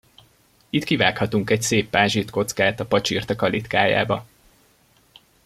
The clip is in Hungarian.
Itt kivághatunk egy szép pázsitkockát a pacsirta kalitkájába!